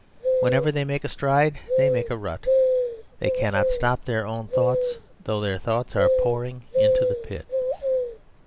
Wherever they make a stride they make a rut. They cannot stop their own thoughts, though their thoughts are pouring into the pit.